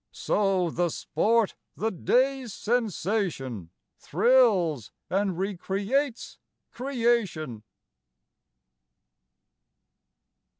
So the sport, the day's sensation, Thrills and recreates creation.